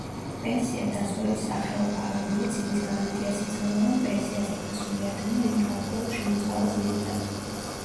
პენსია დაზღვევის სახეობაა, რომელიც იმის გარანტიას იძლევა, რომ პენსიაზე გასული ადამიანი გარკვეულ შემოსავალს მიიღებს.